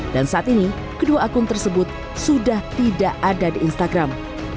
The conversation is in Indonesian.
dan saat ini kedua akun tersebut sudah tidak ada di instagram